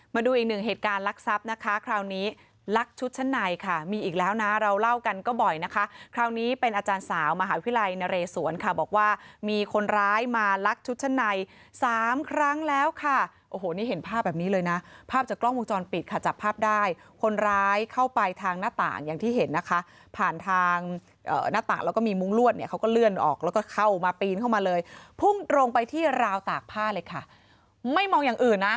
มาดูอีกหนึ่งเหตุการณ์ลักษัพนะคะคราวนี้ลักชุดชะไหนค่ะมีอีกแล้วนะเราเล่ากันก็บ่อยนะคะคราวนี้เป็นอาจารย์สาวมหาวิทยาลัยนเรศวรค่ะบอกว่ามีคนร้ายมาลักชุดชะไหนสามครั้งแล้วค่ะโอ้โหนี่เห็นภาพแบบนี้เลยนะภาพจากกล้องมุมจรปิดค่ะจับภาพได้คนร้ายเข้าไปทางหน้าต่างอย่างที่เห็นนะคะผ่านทางเอ่อหน้าต่าง